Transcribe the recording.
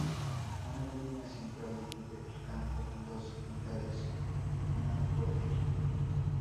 Una línea central divide el campo en dos mitades, una por equipo.